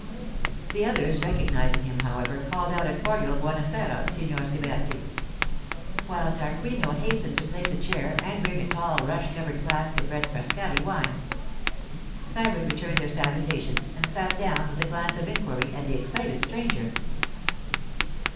The others, recognizing him, however, called out a cordial 'Buona sera, Signor Siberti,' while Tarquinio hastened to place a chair and bring a tall rush covered flask of red Frascati wine. Sybert returned their salutations, and sat down with a glance of inquiry at the excited stranger.